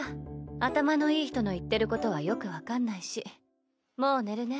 頭のいい人の言ってることはよく分かんないしもう寝るね。